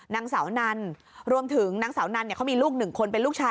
นางสาวนันรวมถึงนางสาวนันเนี่ยเขามีลูกหนึ่งคนเป็นลูกชาย